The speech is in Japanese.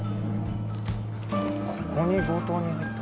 ここに強盗に入った？